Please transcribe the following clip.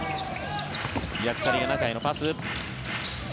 ヤクチャリが中へのパス。